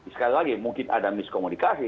sekali lagi mungkin ada miskomunikasi